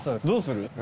どうする？